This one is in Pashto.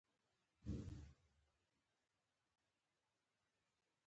چې مستقیماً زموږ له هېواد سره اړه لري.